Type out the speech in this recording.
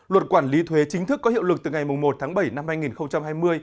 luật quản lý thuế chính thức có hiệu lực từ ngày một tháng bảy năm hai nghìn hai mươi